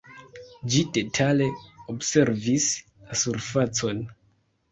Ĝi detale observis la surfacon.